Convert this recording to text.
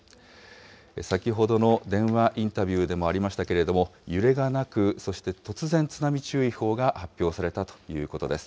先ほどの電話インタビューでもありましたけれども、揺れがなく、そして突然津波注意報が発表されたということです。